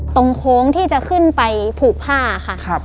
โค้งที่จะขึ้นไปผูกผ้าค่ะ